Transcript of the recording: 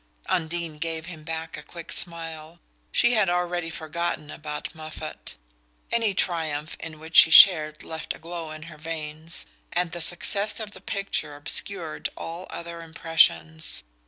Undine gave him back a quick smile. She had already forgotten about Moffatt. Any triumph in which she shared left a glow in her veins, and the success of the picture obscured all other impressions.